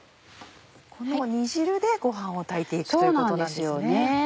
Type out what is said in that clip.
この煮汁でご飯を炊いて行くということなんですね。